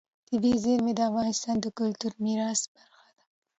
طبیعي زیرمې د افغانستان د کلتوري میراث برخه ده.